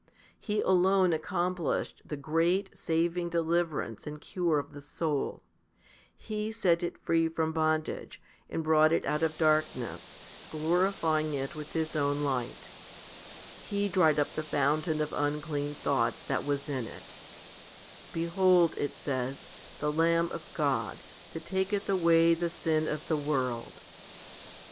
He alone accomplished the great, saving deliverance and cure of the soul. He set it free from bondage, and brought it out of darkness, glorifying it with His own light. He dried 1 See below, p. 292. 2 John i. 29. 166 FIFTY SPIRITUAL HOMILIES up the fountain of unclean thoughts that was in it. Behold, it says, the Lamb of God, that taketh away the sin of the world* 7.